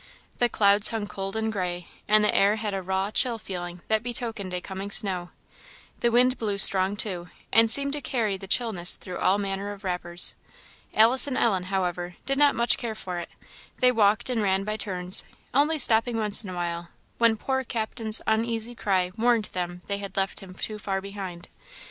The clouds hung cold and gray, and the air had a raw chill feeling, that betokened a coming snow. The wind blew strong, too, and seemed to carry the chillness through all manner of wrappers. Alice and Ellen, however, did not much care for it; they walked and ran by turns, only stopping once in a while, when poor Captain's uneasy cry warned them they had left him too far behind.